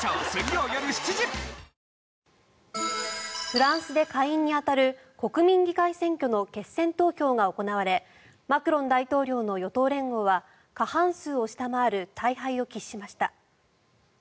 フランスで下院に当たる国民議会選挙の決選投票が行われマクロン大統領の与党連合は過半数を下回る大敗を喫しました。